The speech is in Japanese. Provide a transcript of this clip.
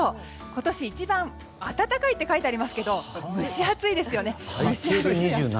今年一番暖かいと書いてありますけど蒸し暑いですよね。